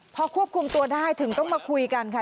พอควบคุมตัวได้ถึงต้องมาคุยกันค่ะ